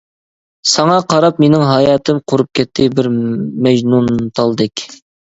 ساڭا قاراپ مېنىڭ ھاياتىم قۇرۇپ كەتتى بىر مەجنۇنتالدەك.